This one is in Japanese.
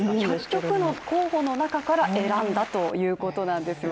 １００曲の候補の中から選んだということなんです。